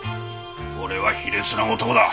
俺は卑劣な男だ。